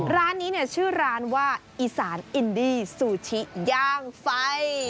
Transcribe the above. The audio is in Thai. ร้านนี้เนี่ยชื่อร้านว่าอีสานอินดี้ซูชิย่างไฟ